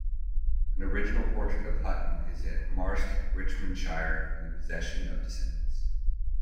An original portrait of Hutton is at Marske, Richmondshire, in the possession of descendants.